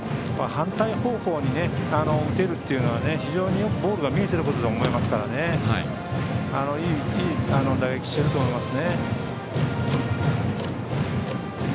反対方向に打てるというのは非常によくボールが見えているんだと思いますからいい打撃をしていると思います。